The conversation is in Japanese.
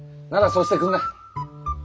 ならそうしてくんな。